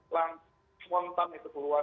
langsung tak bisa keluar